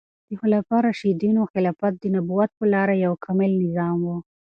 د خلفای راشدینو خلافت د نبوت په لاره یو کامل نظام و.